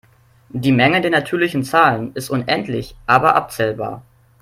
Die Menge der natürlichen Zahlen ist unendlich aber abzählbar.